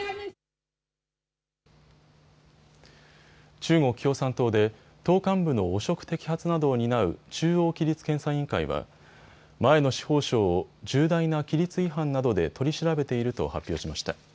中国共産党で党幹部の汚職摘発などを担う中央規律検査委員会は前の司法相を重大な規律違反などで取り調べていると発表しました。